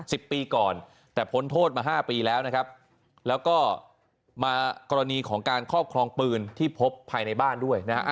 สิบปีก่อนแต่พ้นโทษมาห้าปีแล้วนะครับแล้วก็มากรณีของการครอบครองปืนที่พบภายในบ้านด้วยนะฮะ